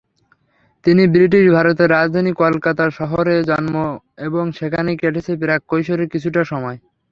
তিনি ব্রিটিশ ভারতের রাজধানী কলকাতা শহরে জন্ম এবং সেখানেই কেটেছে প্রাক-কৈশোরের কিছুটা সময়।